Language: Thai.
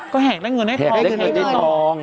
ก็แหกได้เงินได้คอแหกได้เงินได้ตอง